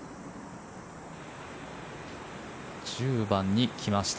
１０番に来ました。